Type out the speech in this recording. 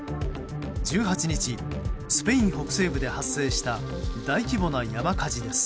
１８日、スペイン北西部で発生した大規模な山火事です。